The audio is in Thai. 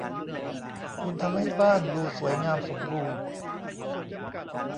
คุณทำให้บ้านดูสวยงามสมบูรณ์